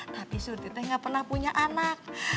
tapi surti teh gak pernah punya anak